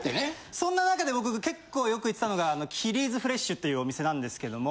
そんな中で僕結構よく行ってたのが『Ｋｉｒｉｙ’ｓＦｒｅｓｈ』っていうお店なんですけども。